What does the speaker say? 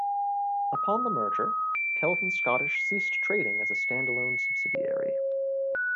Upon the merger, Kelvin Scottish ceased trading as a stand-alone subsidiary.